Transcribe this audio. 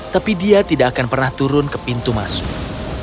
tapi dia tidak akan pernah turun ke pintu masuk